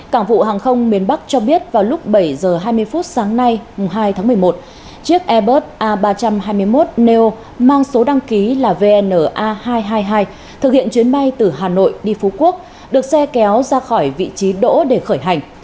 cảng vụ hàng không miền bắc cho biết vào lúc bảy h hai mươi phút sáng nay hai tháng một mươi một chiếc airbus a ba trăm hai mươi một neo mang số đăng ký là vna hai trăm hai mươi hai thực hiện chuyến bay từ hà nội đi phú quốc được xe kéo ra khỏi vị trí đỗ để khởi hành